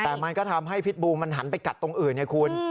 แต่มันก็ทำให้พิษบูมันหันไปกัดตรงอื่นไงคุณ